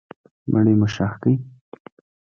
مړی مو ښخ کړ.